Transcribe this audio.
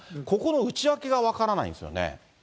ここの内訳が分からないんですよね。